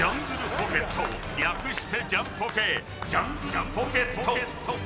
ポケット略してジャンポケジャングルポケット。